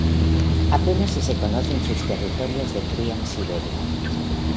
Apenas si se conocen sus territorios de cría en Siberia.